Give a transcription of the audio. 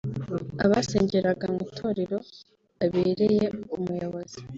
Abasengeraga mu itorero abereye umuyobozi